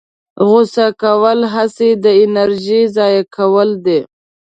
غوسه کول هسې د انرژۍ ضایع کول دي.